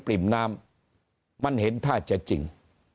ริ่มน้ำมันเห็นท่าจะจริง